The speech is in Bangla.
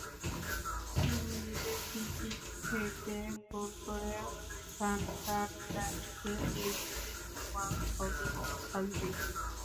তিন মিনিটেই ফ্রি-কিক থেকে গোল করে সান্ডারল্যান্ডকে এগিয়ে দেন ওয়াহবি খাজরি।